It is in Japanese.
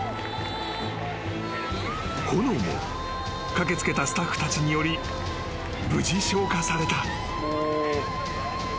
［炎も駆け付けたスタッフたちにより無事消火された］